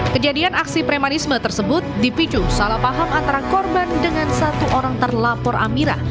kejadian aksi premanisme tersebut dipicu salah paham antara korban dengan satu orang terlapor amira